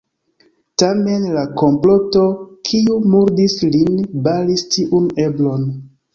Tamen, la komploto, kiu murdis lin, baris tiun eblon.